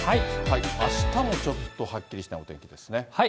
あしたもちょっとはっきりしないお天気ですね。